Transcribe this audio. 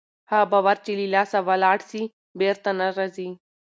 هغه باور چې له لاسه ولاړ سي بېرته نه راځي.